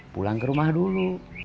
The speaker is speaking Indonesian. pulang ke rumah dulu